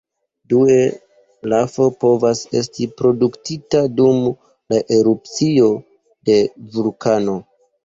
Due, lafo povas esti produktita dum la erupcio de vulkano.